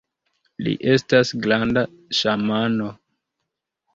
Li estas granda ŝamano!